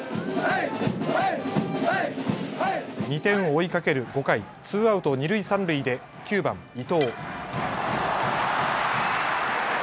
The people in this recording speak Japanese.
２点を追いかける５回、ツーアウト二塁三塁で９番・伊藤。